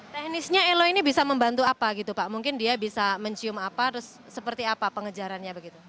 teknisnya elo ini bisa membantu apa gitu pak mungkin dia bisa mencium apa terus seperti apa pengejarannya begitu